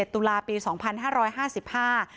๒๖๒๗ตุลาคมปีศาสตร์๒๕๕๕